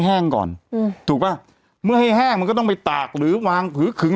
ให้แห้งก่อนถูกป่ะเมื่อให้แห้งมันก็ต้องไปตากหรือวาง